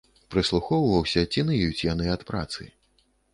Прыслухоўваўся, ці ныюць яны ад працы.